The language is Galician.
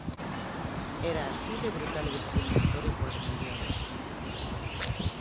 Era así de brutal e discriminatorio coas mulleres.